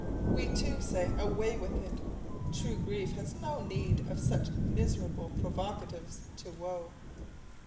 We, too, say, "Away with it!" True grief has no need of such miserable provocatives to woe.